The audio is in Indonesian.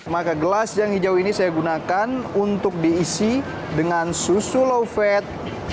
maka gelas yang hijau ini saya gunakan untuk diisi dengan susu low fat